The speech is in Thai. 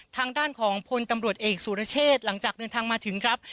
ทางด้านของพลตำรวจเอกสุรเชษหลังจากเดินทางมาถึงครับ